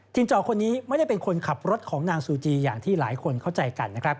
จอคนนี้ไม่ได้เป็นคนขับรถของนางซูจีอย่างที่หลายคนเข้าใจกันนะครับ